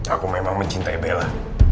aku memang mencintai bella